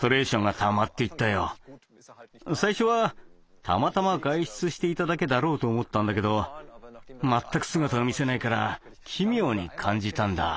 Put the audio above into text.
最初は「たまたま外出していただけだろう」と思ったんだけど全く姿を見せないから奇妙に感じたんだ。